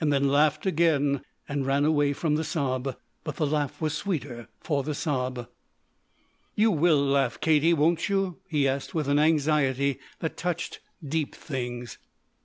Then laughed again and ran away from the sob. But the laugh was sweeter for the sob. "You will laugh, Katie, won't you?" he asked with an anxiety that touched deep things.